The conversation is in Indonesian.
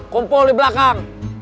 kumpul di belakang